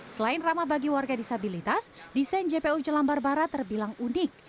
selain ramah bagi warga disabilitas desain jpu jelambar barat terbilang unik